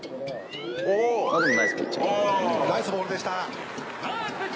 ナイスボールでした。